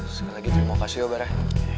sekali lagi terima kasih ya barah